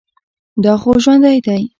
دا خو ژوندى دى.